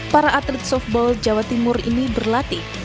para atlet softball jawa timur ini berlatih